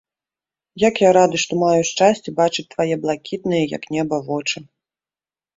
Як я рады, што маю шчасце бачыць твае блакітныя, як неба, вочы!